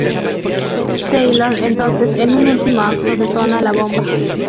Taylor entonces, en un último acto, detona la bomba.